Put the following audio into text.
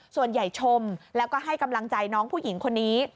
ชมแล้วก็ให้กำลังใจน้องผู้หญิงคนนี้